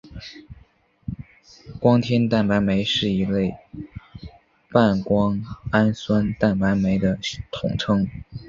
胱天蛋白酶是一类半胱氨酸蛋白酶的统称。